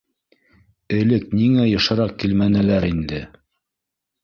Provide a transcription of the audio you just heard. Элек ниңә йышыраҡ килмәнеләр инде!